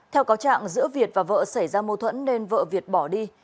theo cáo trạng giữa việt và vợ xảy ra mâu thuẫn nên vợ việt bỏ đi